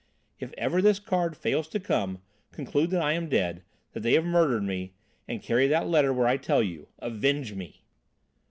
If ever this card fails to come, conclude that I am dead, that they have murdered me, and carry that letter where I tell you Avenge me!'"